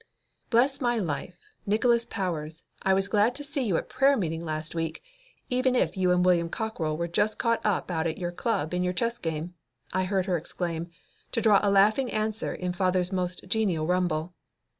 "Bless my life, Nickols Powers, I was glad to see you at prayer meeting last week, even if you and William Cockrell were just caught up out at your Club in your chess game," I heard her exclaim, to draw a laughing answer in father's most genial rumble.